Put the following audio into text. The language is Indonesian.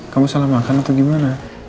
kamu salah makan atau gimana